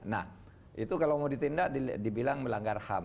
nah itu kalau mau ditindak dibilang melanggar ham